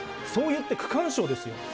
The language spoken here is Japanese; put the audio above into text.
そう言って区間賞ですよ。